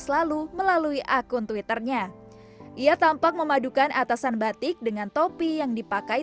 dua ribu tujuh belas lalu melalui akun twitternya ia tampak memadukan atasan batik dengan topi yang dipakai